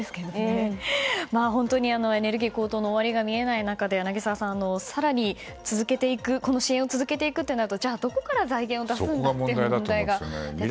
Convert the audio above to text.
エネルギー高騰の終わりが見えない中で柳澤さん更に支援を続けていくとなるとどこから財源を出すんだという問題ですね。